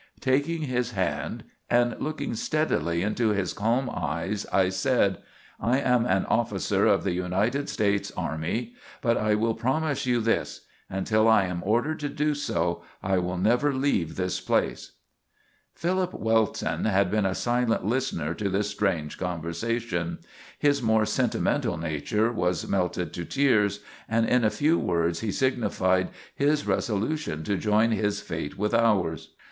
"Taking his hand and looking steadily into his calm eyes, I said: 'I am an officer of the United States army, but I will promise you this: until I am ordered to do so, I will never leave this place.' "Philip Welton had been a silent listener to this strange conversation. His more sentimental nature was melted to tears, and in a few words he signified his resolution to join his fate with ours.